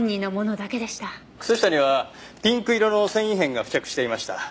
靴下にはピンク色の繊維片が付着していました。